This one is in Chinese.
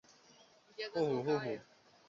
这形式亦与啤酒软体相近。